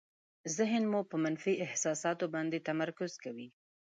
ذهن مو په منفي احساساتو باندې تمرکز کوي.